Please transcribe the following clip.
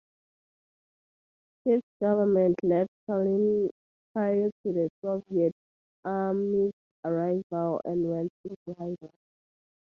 Tief's government left Tallinn prior to the Soviet army's arrival and went into hiding.